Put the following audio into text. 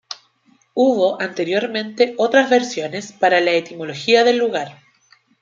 Hubo anteriormente otras versiones para la etimología del lugar.